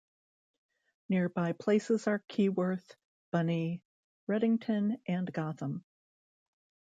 Nearby places are Keyworth, Bunny, Ruddington and Gotham.